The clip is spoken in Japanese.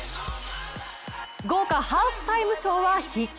豪華ハーフタイムショーは必見。